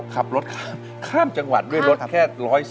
ขับรถข้ามจังหวัดด้วยรถแค่๑๔๐